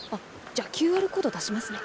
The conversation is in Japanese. じゃあＱＲコード出しますね。